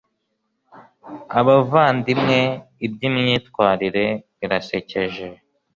abavandimwe iby'imyitwarire birasekeje